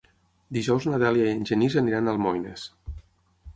Dijous na Dèlia i en Genís aniran a Almoines.